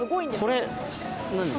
これ何？